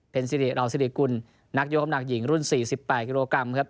เป็นสิริรองสิริกุลนักยกน้ำหนักหญิงรุ่น๔๘กิโลกรัมครับ